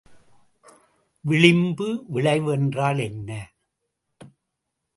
விளிம்பு விளைவு என்றால் என்ன?